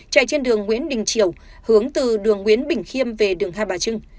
chạy trên đường nguyễn đình triều hướng từ đường nguyễn bình khiêm về đường hai bà trưng